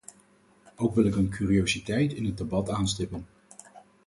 Ook wil ik een curiositeit in het debat aanstippen.